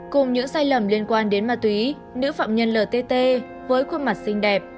cùng những sai lầm liên quan đến ma túy nữ phạm nhân ltt với khuôn mặt xinh đẹp